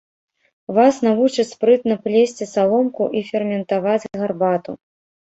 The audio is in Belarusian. Вас навучаць спрытна плесці саломку і ферментаваць гарбату.